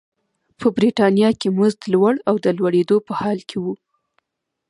په برېټانیا کې مزد لوړ او د لوړېدو په حال کې و.